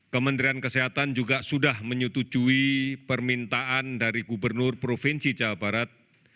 kementerian kesehatan juga sudah menyetujui permintaan dari gubernur provinsi jawa barat